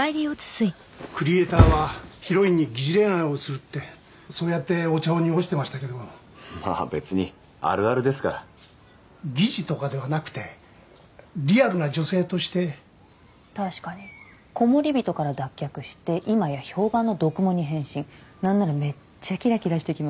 クリエイターはヒロインに擬似恋愛をするってそうやってお茶を濁してましたけどまあ別にあるあるですから疑似とかではなくてリアルな女性として確かにコモリビトから脱却して今や評判の読モに変身なんならめっちゃキラキラしてきました